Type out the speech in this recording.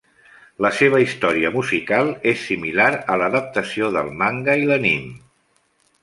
La seva història musical és similar a l'adaptació del manga i l'anime.